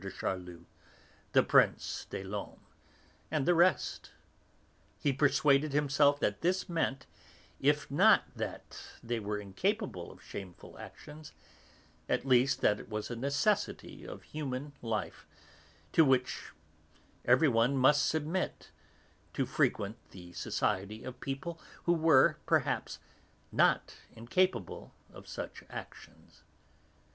de Charlus, the Prince des Laumes and the rest, he persuaded himself that this meant, if not that they were incapable of shameful actions, at least that it was a necessity in human life, to which everyone must submit, to frequent the society of people who were, perhaps, not incapable of such actions.